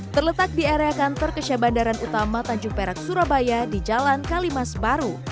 terletak di area kantor kesia bandaran utama tanjung perak surabaya di jalan kalimas baru